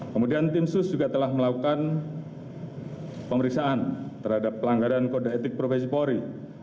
kemudian tim sus juga telah melakukan pemeriksaan terhadap pelanggaran kode etik profesi polri